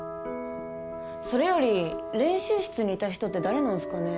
それより練習室にいた人って誰なんすかね？